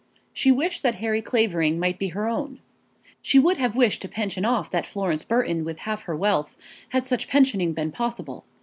She wished that Harry Clavering might be her own. She would have wished to pension off that Florence Burton with half her wealth, had such pensioning been possible.